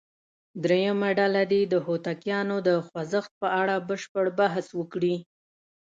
درېمه ډله دې د هوتکیانو د خوځښت په اړه بشپړ بحث وکړي.